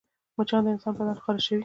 مچان د انسان بدن خارشوي